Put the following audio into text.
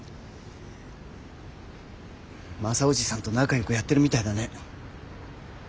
マサおじさんと仲よくやってるみたいだね。